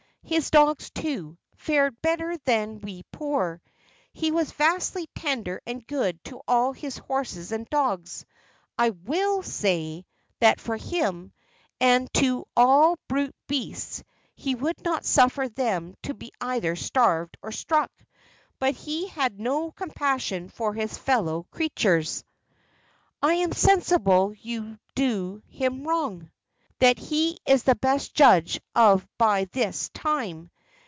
His dogs, too, fared better than we poor. He was vastly tender and good to all his horses and dogs, I will say that for him; and to all brute beasts: he would not suffer them to be either starved or struck but he had no compassion for his fellow creatures." "I am sensible you do him wrong." "That he is the best judge of by this time.